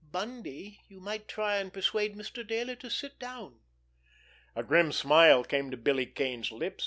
Bundy, you might try and persuade Mr. Dayler to sit down!" A grim smile came to Billy Kane's lips.